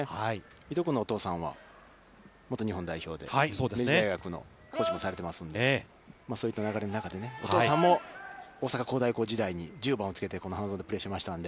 伊藤君のお父さんは元日本代表で、明治大学のコーチもされてますのでそういう流れの中で、お父さんも大阪工大高時代に１０番をつけてこの花園でプレーしましたので。